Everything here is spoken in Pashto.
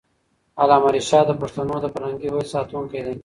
علامه رشاد د پښتنو د فرهنګي هویت ساتونکی دی.